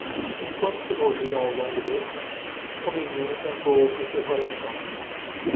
Enquanto se moviam ao longo de?, o menino tentou ouvir seu coração.